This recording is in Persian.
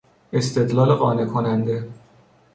استدلال قانع کننده